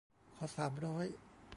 ขอสามร้อย